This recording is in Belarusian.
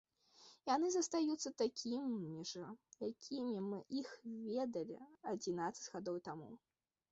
Яны застаюцца такімі ж, якімі мы іх ведалі адзінаццаць гадоў таму.